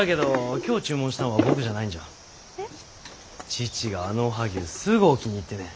父があのおはぎゅうすごお気に入ってね。